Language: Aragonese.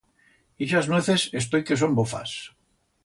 Ixas nueces estoi que son bofas.